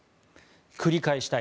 繰り返したい。